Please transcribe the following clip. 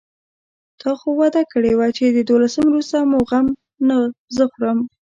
تا خو وعده کړې وه چې د دولسم وروسته مو غم زه خورم.